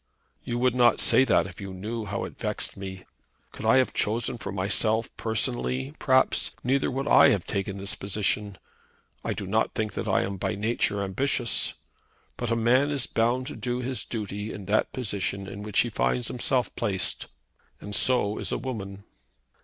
"You would not say that if you knew how it vexed me. Could I have chosen for myself personally, perhaps, neither would I have taken this position. I do not think that I am by nature ambitious. But a man is bound to do his duty in that position in which he finds himself placed, and so is a woman."